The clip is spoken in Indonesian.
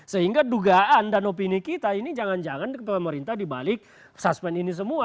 sehingga dugaan dan opini kita ini jangan jangan pemerintah dibalik suspend ini semua